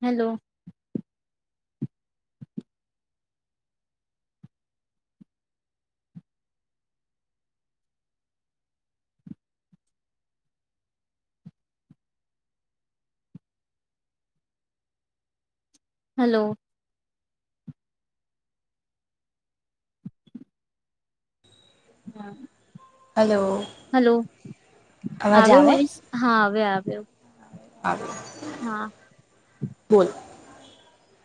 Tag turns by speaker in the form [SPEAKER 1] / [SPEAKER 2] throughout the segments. [SPEAKER 1] Hello hello. હા.
[SPEAKER 2] Hello.
[SPEAKER 1] Hello,
[SPEAKER 2] અવાજ
[SPEAKER 1] આવ્યો
[SPEAKER 2] આવે
[SPEAKER 1] વોઇસ? હા અવે આવ્યો.
[SPEAKER 2] હા
[SPEAKER 1] હા
[SPEAKER 2] તું.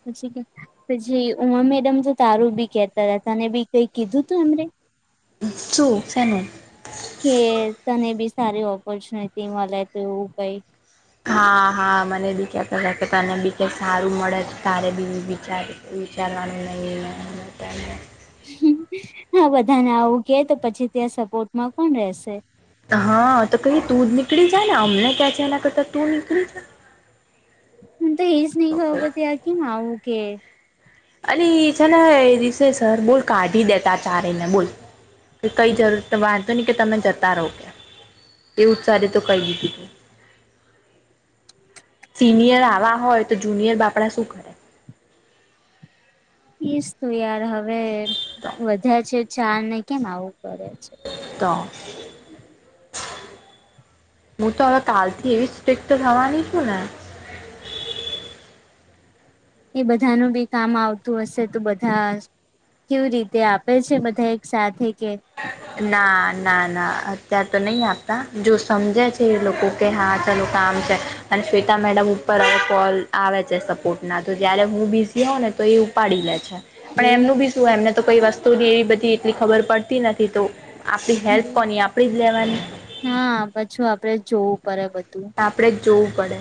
[SPEAKER 1] પછી કે પછી ઉમા મેડમ જો તો તારું બી કેતા હતાં તને બી કઈ કીધું તું એમને?
[SPEAKER 2] શું શેનું?
[SPEAKER 1] કે તને બી સારી ઓપોર્ચ્યુનિટી મલે તો તેવું કંઈ
[SPEAKER 2] હા હા મને બી કેતા તા કે તને બી કયાંય સારું મળે છે તારે બી વિચારે વિચારવાનું નહીં એ ને તેને
[SPEAKER 1] હ બધાને આવું કે તો પછી ત્યાં સપોર્ટમાં કોણ રેહશે?
[SPEAKER 2] હા તો કહીએ તું જ નીકળી જાને અમને કે છે એના કરતાં તું નીકળી જા.
[SPEAKER 1] મન તો એજ નઈ ખબર
[SPEAKER 2] જા
[SPEAKER 1] પડતી કેમ આવું કે.
[SPEAKER 2] અલી એ છે ને રીસેસર બોલ કાઢી દેતા ચારેયને બોલ. કઈ જરૂર વાંધો નહીં કે તમે જતા રો કે. એવું ચારે તો કઈ દીધું. સિનિયર આવા હોય તો જુનિયર બાપડા શું કરે?
[SPEAKER 1] ઈ જ તો યાર હવે
[SPEAKER 2] તો
[SPEAKER 1] વધાર છે ચારને કેમ આવું કરે છે?
[SPEAKER 2] તો. હું તો હવે કાલથી એવી સ્ટ્રિક્ટ થવાની છું ને.
[SPEAKER 1] એ બધાનું બી કામ આવતું હશે તો બધાં કેવી રીતે આપે છે બધા એક સાથે કે
[SPEAKER 2] ના ના ના અત્યાર તો નઈ આપતા જો સમજે છે એ લોકો કે હા ચલો કામ છે અને શ્વેતા મેડમ ઉપર કૉલ આવે છે સપોર્ટના તો જયારે હું બી ઝી હોઉ ને તો એ ઉપાડી લે છે. પણ
[SPEAKER 1] એવું
[SPEAKER 2] એમનું બી શું એમને તો કઈ વસ્તુ એવી બધી એટલી ખબર પડતી નથી તો. આપણી હેલ્પ કોની
[SPEAKER 1] હમ
[SPEAKER 2] આપણી જ લેવાની.
[SPEAKER 1] હા પછું આપડે જ જોવું પડે બધું.
[SPEAKER 2] આપણે જ જોવું પડે.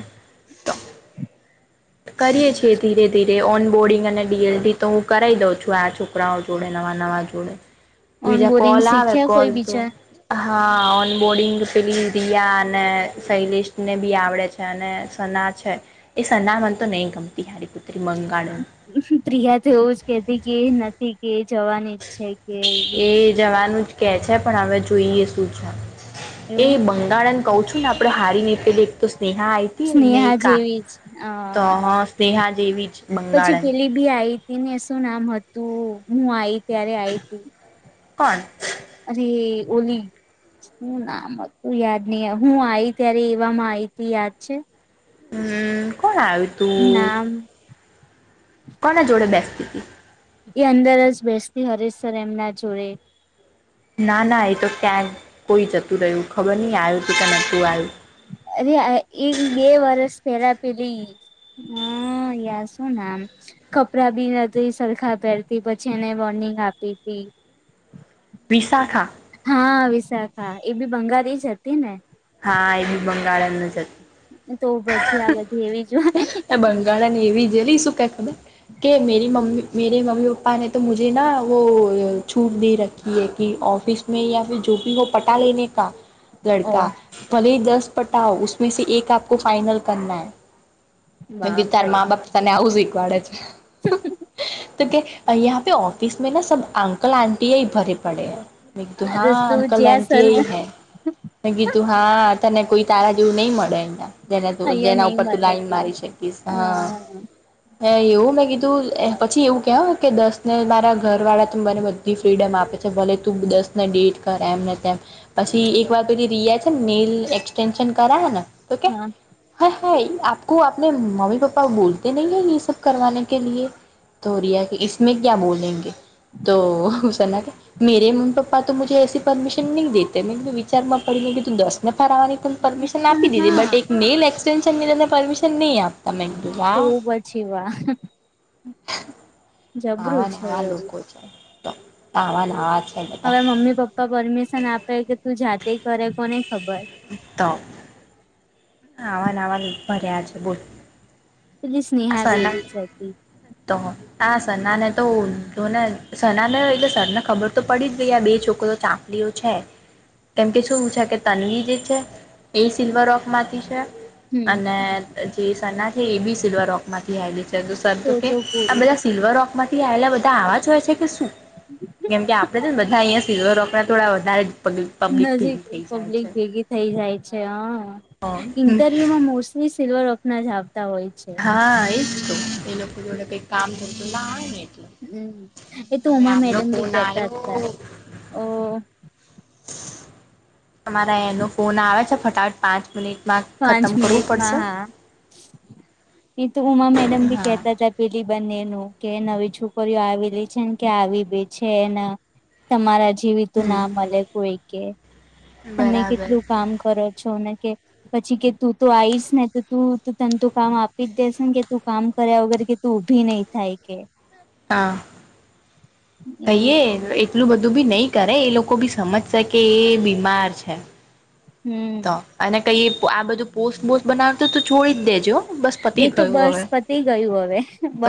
[SPEAKER 2] કરીએ છીએ ધીરે ધીરે ઓન બોર્ડિંગ અને ડી એલ ડી તો હું કરાઈ દઉં છું આ છોકરાઓ જોડે નવાં-નવાં જોડે.
[SPEAKER 1] ઓન
[SPEAKER 2] બીજા
[SPEAKER 1] બોરિંગ
[SPEAKER 2] કોલ આવે
[SPEAKER 1] શીખ્યા
[SPEAKER 2] કોલ
[SPEAKER 1] કોઈ
[SPEAKER 2] તો
[SPEAKER 1] બીજા
[SPEAKER 2] હા ઓન બોર્ડિંગ પેલી રિયા અને શૈલેષને બી આવડે. અને સના છે એ સના મને તો નઈ ગમતી હારી કુતરી બંગાળ
[SPEAKER 1] પ્રિયા તો એવું જ કેતી કે એ નથી કે એ જવાની જ છે કે એ કે એ
[SPEAKER 2] જવાનું જ કે છે પણ હવે જોઈએ શું છે એ
[SPEAKER 1] એવું
[SPEAKER 2] બંગાળન કવ છું ને આપડે હારી નઈ પેલી એક તો સ્નેહા આઈ હતી ને
[SPEAKER 1] સ્નેહા
[SPEAKER 2] એક આ
[SPEAKER 1] જેવી જ અ
[SPEAKER 2] તો હ સ્નેહા જેવી જ.
[SPEAKER 1] પછી
[SPEAKER 2] બંગાળન
[SPEAKER 1] પેલી ભી આઈ તી ને શું નામ હતું હું આઈ ત્યારે આઈ તી.
[SPEAKER 2] કોણ?
[SPEAKER 1] અરે! ઓલી હું નામ હતું યાદ નહીં હું આઈ ત્યારે એવામાં આઈ તી યાદ છે?
[SPEAKER 2] હમ કોણ તું
[SPEAKER 1] નામ
[SPEAKER 2] કોના જોડે બેસતી તી?
[SPEAKER 1] એ અંદર જ બેસતી હરેશ સર એમના જોડે.
[SPEAKER 2] ના ના એ તો ક્યાંક કોઈ જતું રહ્યું ખબર નહીં આયુ તું કે નતું આયુ.
[SPEAKER 1] અરે આ એક બે વર્ષ પેલા પેલી હ યાર શું નામ કપડાં બી નથી સરખા પહેરતી પછી એને વોર્નિંગ આપી તી
[SPEAKER 2] વિશાખા
[SPEAKER 1] હ વિશાખા એ બી બંગાળી જ હતી ને
[SPEAKER 2] હા એ બી બંગાળને જ હતી.
[SPEAKER 1] તો પછી આ બધી એવી જ હોય.
[SPEAKER 2] બંગાળન ને એવી છે, લઈ શું ક ખબર કે મેરી મમ્મી મેરેમમ્મી પપાને તો મુજે ના વો છૂટ દે રખી કે ઓફિસ મે યા જો ભી હો પટા લેને કા
[SPEAKER 1] ઓ
[SPEAKER 2] લાડકા ભલેહી દસ પાટાઓ ઉષ્મેસે એક આપકો ફાઈનલ કરના હે બી તાર
[SPEAKER 1] બાપરે
[SPEAKER 2] મા બાપ તને આવું શીખવાડે છે. તો કે યહાપે ઓફિસ મે સબ અંકલ આંટી ભરે પડે હૈ એક તો
[SPEAKER 1] અરે
[SPEAKER 2] હા
[SPEAKER 1] તું
[SPEAKER 2] અંકલ
[SPEAKER 1] જ્યાં સર
[SPEAKER 2] આંટી હૈ મે કીધું હા તને કોઈ તારા જેવું નઈ મળે અહીંયા જેના ઉપર
[SPEAKER 1] અહિયાં
[SPEAKER 2] જેના
[SPEAKER 1] નહી
[SPEAKER 2] ઉપર તું
[SPEAKER 1] મળે
[SPEAKER 2] લાઈન
[SPEAKER 1] કે
[SPEAKER 2] મારી શકીશ
[SPEAKER 1] હ
[SPEAKER 2] હા હ એવું મેં કીધું પછી, એવું કેહ કે દસ ને મારા ઘર વાળા ત બને બધ ફ્રીડમ આપે છે, ભલે તું દસ ને ડેટ કર એમ ને તેમ પછી એક વાત પધી રિયા નેલ એક્સટેશન કરાયા ને તો
[SPEAKER 1] હ
[SPEAKER 2] હાય હાય આપકો આપણે મમ્મી પપા બોલતે નહી હૈ એ સબ કરવાને કે લય તો રિયા કેય ઈસમે ક્યાં બોલેગે તો હસ ના કે મેરે મમ્ી પપ્પા તો મુ એસી પરમિશન નહીં દે મેધું વિચારમાં પડીને તું દસને ફરવાની પણ પરમિશન
[SPEAKER 1] પણ
[SPEAKER 2] આપી દીધી
[SPEAKER 1] હા
[SPEAKER 2] બટ એક નેલ એક્સટેન્શનની પરમિશન નહી, આપ
[SPEAKER 1] તો પછી વાહ
[SPEAKER 2] આવાને
[SPEAKER 1] છે
[SPEAKER 2] આવા
[SPEAKER 1] વરી
[SPEAKER 2] લોકો છે, આવાને આવાત
[SPEAKER 1] હવે મમ્મી પપ્પા પરમિશન આપે કે તું જાતે કરે, કોને ખબર
[SPEAKER 2] તો આવાન આવાન ભર્યા છે બોલ
[SPEAKER 1] પેલી
[SPEAKER 2] આ
[SPEAKER 1] સ્નેહા બી
[SPEAKER 2] સરના
[SPEAKER 1] એવી છે.
[SPEAKER 2] તો આ સન્નાને તો ઓળખ્યોને સનાને એટલે સરને ખબર તો પડી જ ગઈ આ બે છોકરી ચાપડીઓ છે કેમ કે શું છે કે તનવી જે છે એ સિલ્વર ઓક માંથી છે
[SPEAKER 1] હમ
[SPEAKER 2] અને જે સના છે એ બી સિલ્વરઓક માંથી આવેલી છે, સર તો કે આ બધા સિલ્વરઓક માંથી આયેલા બધા આવાજ હોય છે કે શું કેમ કે આપડે છે ને બધા અહી ફીવ રોકડા થોડા વધારે જ પ
[SPEAKER 1] નજીક પબ્લિક ભેગી થઈ જાય છે, હ
[SPEAKER 2] હા
[SPEAKER 1] ઇન્ટરવ્યુમાં મોસ્ટ સિલ્વર વખના જ આવતા હોય. છે
[SPEAKER 2] હા એજ તો એ લોકો જોડે કઈ કામ ધંધો ના હોય ને એટલે
[SPEAKER 1] હમ એ તો
[SPEAKER 2] હવે
[SPEAKER 1] ઉમા
[SPEAKER 2] આમનો
[SPEAKER 1] મેડમ ભી
[SPEAKER 2] ફોન
[SPEAKER 1] કેતા જ
[SPEAKER 2] આવ્યો
[SPEAKER 1] હતા. ઓ
[SPEAKER 2] તમારા એનો ફોન આવે છે, ફટાફટ પાંચ મિનિટ મા
[SPEAKER 1] પાંચ
[SPEAKER 2] ખતમ કરવું
[SPEAKER 1] મિનિટમાં
[SPEAKER 2] પડશે
[SPEAKER 1] હા [inaudible] એ તો ઉમા મેડમ ભી
[SPEAKER 2] હા
[SPEAKER 1] કેહેતા હતા પેલી બંને નું કે નવી છોકરીઓ આવેલી છે ને કે આવી બીજ છેને તમારા જીવીતું
[SPEAKER 2] હમ
[SPEAKER 1] ના મળે કોઈ કે તમે
[SPEAKER 2] બરાબર
[SPEAKER 1] કેટલું કામ કરો છો ને કે પછી કે તું તો આઈશ ને તો તું તને તો કામ આપી જ દેસ ને કે તું કામ કર્યા વગર તો ઉભી નહી થાય કે
[SPEAKER 2] હા.
[SPEAKER 1] એવું
[SPEAKER 2] કહી એટલું બધું બી નહી કરે એ લોકો બી સમજશે કે એ બીમાર છે. તો
[SPEAKER 1] હમ
[SPEAKER 2] અને કઈ આ બધું પોસ્ટ બોસ્ટ બનાવ તો તો છોડી જ દેજો બસ
[SPEAKER 1] એ
[SPEAKER 2] પતી
[SPEAKER 1] તો
[SPEAKER 2] ગયું
[SPEAKER 1] બસ
[SPEAKER 2] હવે
[SPEAKER 1] પતી ગયું હવે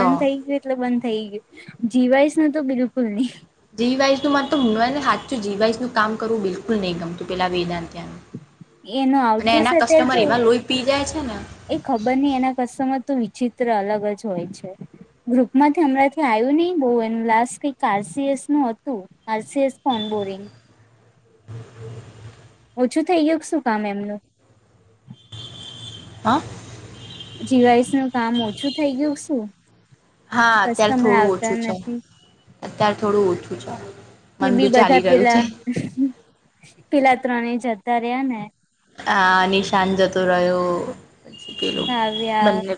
[SPEAKER 2] તો
[SPEAKER 1] થઈ ગયું. એટલે બંધ થઈ ગયું જીવાઈશ ન તો બિલકુલ નઈ.
[SPEAKER 2] જી વાઈસ નું માર ને સાછું જી વાઈસ ન કામ કરવું બિલકુલ નહીં ગમતું પેલાે વેદાંત્યા ન
[SPEAKER 1] એનો
[SPEAKER 2] અને
[SPEAKER 1] આવતો
[SPEAKER 2] એના
[SPEAKER 1] હશે અત્યારે
[SPEAKER 2] કસ્ટમર
[SPEAKER 1] તો
[SPEAKER 2] એવા લોહી પી જાય છે ને
[SPEAKER 1] એ ખબર નહ એના કસ્ટમર તો વિચિત્ર અલગ જ હોય છે. ગ્રુપમાંથી હમણાંથી આવ્યું નહી બહુ એનું લાસ્ટ એક કારસીએસ નું હતું. હ સીએસ કોન બોરિંગ ઓછું થઇ ગયું શું કામ એમનું.
[SPEAKER 2] હા.
[SPEAKER 1] જીવાઈસ નું કામ ઓછું થઈ ગયું શું.
[SPEAKER 2] હા અત્યારે
[SPEAKER 1] કસ્ટમર
[SPEAKER 2] થોડું
[SPEAKER 1] આવતા
[SPEAKER 2] ઓછું છે.
[SPEAKER 1] નથી
[SPEAKER 2] અત્યારે થોડું ઓછું છે
[SPEAKER 1] એ
[SPEAKER 2] મંદુ
[SPEAKER 1] બી બધા
[SPEAKER 2] ચાલી રહ્યું છે.
[SPEAKER 1] પેલા પેલા ત્રણે જતા રહ્યા ને.
[SPEAKER 2] હા નિશાન જતો રહ્યો.
[SPEAKER 1] કાવ્યા
[SPEAKER 2] બનને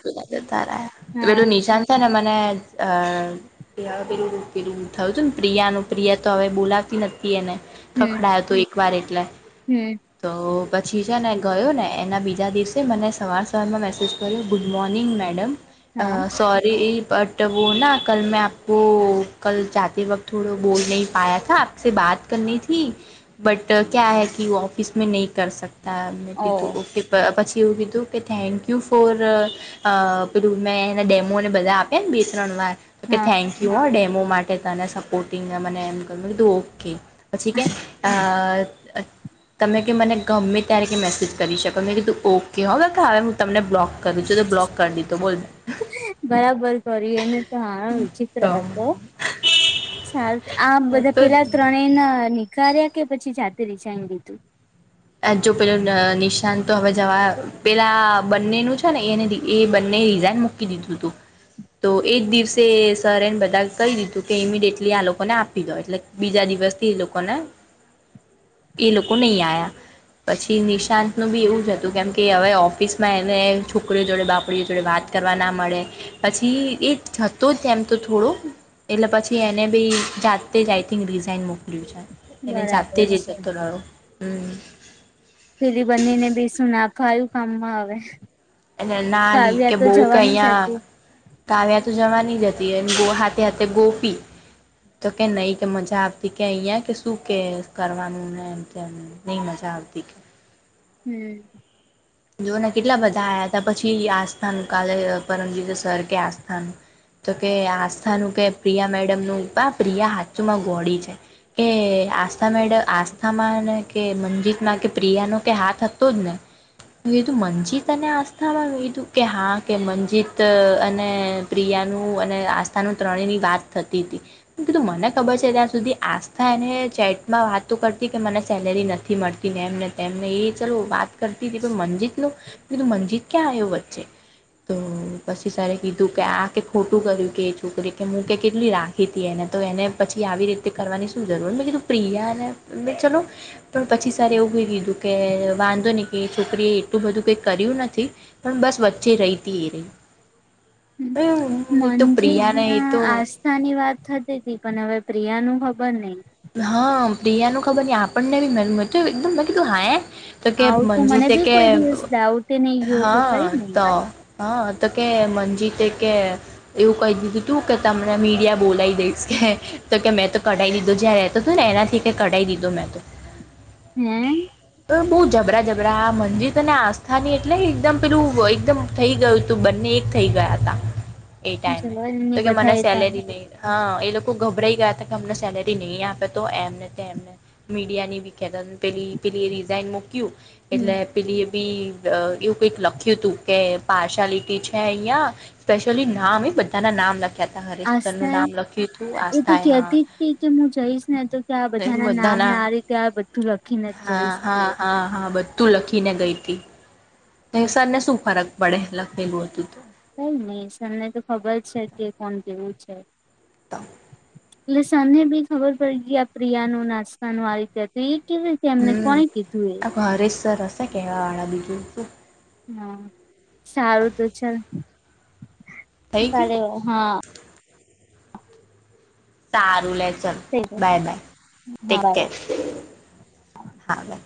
[SPEAKER 1] હા
[SPEAKER 2] તોલો નિશાન- છેને મને- પેલું પેલું થયું હતું ને પ્રિયાનું પ્રિયા તો હવે બોલાવતી નથી એને-
[SPEAKER 1] હમ
[SPEAKER 2] ખખડાય હતું એક વાર એટલે
[SPEAKER 1] હમ
[SPEAKER 2] તો પછી છે ને ગયો ને એના બીજા દિવસે મને સવાર સવારમાં મેસેજ કર્યો ગુડ મોર્નિંગ મેડમ અ
[SPEAKER 1] હા
[SPEAKER 2] સોરી બટ ત વો ના કલ મેં આપકો કલ જયે વક્ત થોડો બોલ નહિ પાયા થા સ બાત કરનીથી બટ ક્યા હૈ કે વો ઓફિસ મે નહી કર શકતા મેં
[SPEAKER 1] ઓ
[SPEAKER 2] કીધું ઓકે પછી એવું કીધું કે થેન્કયુ ફોર અ પેલું મેં એના ડેમોને બધા આપ્યા ને બે ત્રણ વાર તોકે
[SPEAKER 1] હા
[SPEAKER 2] થેન્ક યુ હો ડેમો માટે તને સપોર્ટિંગને મને એમ કહ્યું મેં કીધું ઓકે. પછી કે અ તમે કે મને ગમે ત્યારે કે મેસેજ કરી શકો મેં કીધું ઓકે હો બકા હવે હું તમને બ્લોક કરું છું બ્લોક કરી દીધો બોલ.
[SPEAKER 1] બરાબર કર્યું એને તો હાવ વિચિત્ર
[SPEAKER 2] તો
[SPEAKER 1] હતો. સારું આ બધા
[SPEAKER 2] તો
[SPEAKER 1] પેલા ત્રણેને નીકળ્યા કે પછી જાતે ર જા લીધું.
[SPEAKER 2] જો પેલું નિશાન તો હવે જવા પેલા બંનેનું છે. ને એને એ બંને રિઝઇન મક- ક દધું હતું- તો એ જ દિવસે સર એને બધા કહી દીધું કે ઇમિડિએટલી આ લોકોને આપી દો એટલે- બીજા દિવસથી એ લોકોને-
[SPEAKER 1] [inaudible]
[SPEAKER 2] એ લોકો નહી આયા- પછી નિશાંત નું બી એવું જ હતું કેમ કે હવે ઓફિસમાં એને છોકરીઓ જોડે બાપરીઓ જોડે વાત- કરવા ના મળે પછી એ થતો તેમ તો થોડુંક- એટલે પછી એને બી જાતે જ આઈ થિક ડિઝઇન મોકલ્યું છે. એ જાતે
[SPEAKER 1] બરાબર
[SPEAKER 2] જ
[SPEAKER 1] છે
[SPEAKER 2] જતળો હમ-
[SPEAKER 1] પેલી બની ને બેસુ નાખાયું કામમાં હવે-
[SPEAKER 2] એ ના લી કે
[SPEAKER 1] કાવ્યા તો
[SPEAKER 2] બહ કે
[SPEAKER 1] જવાની જ
[SPEAKER 2] અહયા-
[SPEAKER 1] હતી
[SPEAKER 2] કાવ્યા તો જવાની જ હતી એ હાથે હાથે ગોપી- તો કે નહી કે મજા આવતી કે અહં કે શું કે કરવાનું ને એમ નહી મજા આવતી
[SPEAKER 1] હમ-
[SPEAKER 2] જો ને કેટલા બધા આ્યા હતા પછી આસ્થાનું કાલે પરમજીત સર કે આસ્થાનું- તો કે આસ્થાનું કે પ્રિયા મેડમનું પણ પ્રિયા હાચુમાં ગોડી છે. કે આસ્થા મેડમ આસ્થામાં ને કે મંજતમાં કે પ્રિયાનો કે હાથ હતો જ ને- મે કીધું મંજીત અને આસ્થામાં કીધું કે હા કે મંજીત અને પ્રિયાનું અને આસ્થાનું ત્રણેયની વાત થતી હતી. કીધું મને ખબર છે ત્યાં સુધી આસ્થા એને ચેટમાં વાતો કરતી કે મને સેલેરી નથી મળતી ને એમ તેમને એ ચલો વાત કરતી હતી મનજીત નો બીધું મનજીત ક્યાં આવ્યો વચ્ચે તો પછી સર કીધું કે આ કે ખોટું કર્યું કે એ છોકરી કે હું કે કેટલી રાખ તી એને તો એને પછી આવી રીતે કરવાની શું જરૂર મે કીધું પ્રિયા ને મે ચલો પણ પછી સારે એવું કઈ કીધું કે વાંધો નહી. કે છોકરીએ એટલું બધું કંઈ કર્યું નથી પણ બસ વચ્ચે રહીતી એ રહી. હમ્મ
[SPEAKER 1] મનજીત ના આસ્થાની વાત થતી હતી પણ હવે પ્રિયા નું ખબર નહિ.
[SPEAKER 2] હા પ્રિયાનું ખબર નહી આપણને બી મે એકદમ મેં કીધું હા તો કે
[SPEAKER 1] આવું તો
[SPEAKER 2] મજ
[SPEAKER 1] મને
[SPEAKER 2] તે
[SPEAKER 1] બી
[SPEAKER 2] કે
[SPEAKER 1] કોઈ દિવસ ડાઉટ નહી ગયો કે
[SPEAKER 2] હા
[SPEAKER 1] કઈ નઈ
[SPEAKER 2] તો હા તો કે મંજી તે કે એવું કહી દીધું તું કે તમને મીડિયા બોલાવી દઈશ કે તો કે મેં તો કઢાવી દીધું જ્યાં રતો હતો ને એનાથી કઢાવ દીધો મેં તો
[SPEAKER 1] હમ્મ.
[SPEAKER 2] બહુ જબરા જબરા મંજિત અને આસ્થાની એટલે એકદમ પેલું એકદમ થઈ ગયું તું બંને એક થઈ ગયા તા એ ટાઈમે તો
[SPEAKER 1] જવાને
[SPEAKER 2] કે મને
[SPEAKER 1] બધા એ ટાઈમ
[SPEAKER 2] સેલેરી દે હા એ લોકો ગભરાઈ ગયા હતા કે અમને સેલે તે નહી આપે તો એમને એમને મીડિયા ની કતા પેલી પેલી એ રિઝઇન મૂક્યુ
[SPEAKER 1] હમ
[SPEAKER 2] એટલે પેલી એ બી એવું કઈક લખ્યું હતુ કે પાર્શલિટી છે, અહિયાં સ્પેશયલી નામ એ બધાના નામ લખ્યા હતા હરેશ્વરનુ
[SPEAKER 1] આસ્થા એ
[SPEAKER 2] નામ લખ્યું હતુ
[SPEAKER 1] એ તો
[SPEAKER 2] આસ્થા હા
[SPEAKER 1] કેતી જ કે હું જઈશ ને તો કે આ બધાના નામને આ રીતે આ બધું લખીને જ
[SPEAKER 2] હા
[SPEAKER 1] જઈશ
[SPEAKER 2] હા
[SPEAKER 1] કે
[SPEAKER 2] હા હા બ તુ લખી ને ગઈ
[SPEAKER 1] હમ
[SPEAKER 2] હતીસ ને શું ફરક પડે લખે ગું હતુ તુ
[SPEAKER 1] કઈ નઈ તમને તો ખબર છે કે કોણ કેવું છે.
[SPEAKER 2] તમ
[SPEAKER 1] લસાને બી ખબર પડી ગઈ આ પ્રિયા નું નાસ્તાનું આ રીતે હત, એ કેવી રતે મના કોકે દૂર
[SPEAKER 2] હ રસ સરર કે કેવાવાળાં બીજું શું
[SPEAKER 1] હા સારું તો ચલ
[SPEAKER 2] થઈ ગયું
[SPEAKER 1] હા
[SPEAKER 2] સારું લે ચલ
[SPEAKER 1] થઈ જશે
[SPEAKER 2] બાય બાય
[SPEAKER 1] હા
[SPEAKER 2] ટેક
[SPEAKER 1] બાય
[SPEAKER 2] કેર હા બાય